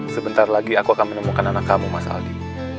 sebentar lagi aku akan menemukan anak kamu mas aldi